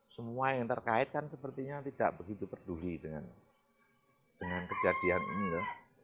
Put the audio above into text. semua yang terkait kan sepertinya tidak begitu peduli dengan kejadian ini ya